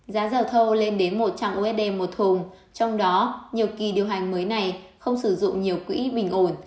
giá dầu thô lên đến một trăm linh usd một thùng trong đó nhiều kỳ điều hành mới này không sử dụng nhiều quỹ bình ổn